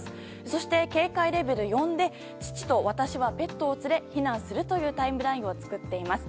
そして警戒レベル４で父と私はペットを連れ避難するというタイムラインを作っています。